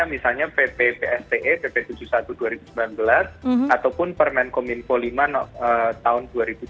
misalnya pppste pp tujuh puluh satu dua ribu sembilan belas ataupun permen kominfo lima tahun dua ribu dua puluh